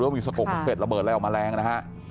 รู้มีสะโกกเบ็ดระเบิดอะไรออกมาแล้งนะฮะ